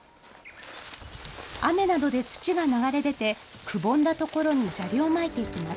雨などで土が流れ出てくぼんだところに砂利をまいていきます。